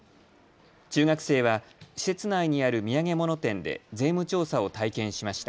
中学生は施設内にある土産物店で税務調査を体験しました。